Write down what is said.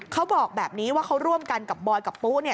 เขาบอกแบบนี้ว่าเขาร่วมกันกับบอยกับปุ๊เนี่ย